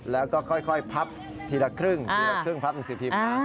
แล้วก็ค่อยพับทีละครึ่งพับหนังสือพิมพ์